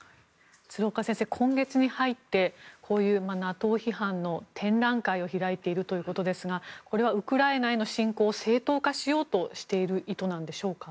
鶴岡先生、今月に入りこういうＮＡＴＯ批判の展覧会を開いているということですがこれはウクライナへの侵攻を正当化しようとしている意図なんでしょうか。